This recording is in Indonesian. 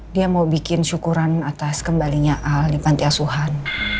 dia ingin membuat syukuran atas kembalinya al di pantiasuhan